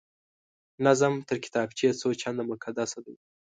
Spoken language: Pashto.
نظم تر کتابچې څو چنده مقدسه دی